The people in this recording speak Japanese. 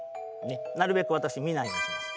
なるべく私見ないようにします。